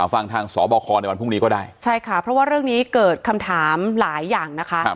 ฟังทางสบคในวันพรุ่งนี้ก็ได้ใช่ค่ะเพราะว่าเรื่องนี้เกิดคำถามหลายอย่างนะคะ